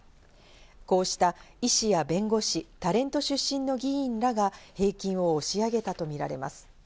こうした医師や弁護士、タレント出身の議員らが平均を押し上げたとみられます。